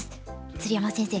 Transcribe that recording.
鶴山先生